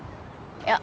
いや。